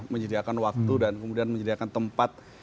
menyediakan waktu dan kemudian menyediakan tempat